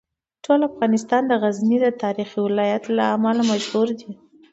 ټول افغانستان د غزني د تاریخي ولایت له امله مشهور دی.